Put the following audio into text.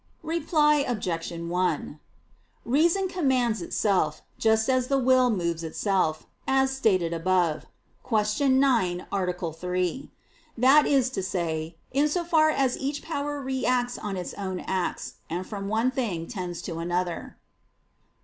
Reply Obj. 1: Reason commands itself, just as the will moves itself, as stated above (Q. 9, A. 3), that is to say, in so far as each power reacts on its own acts, and from one thing tends to another.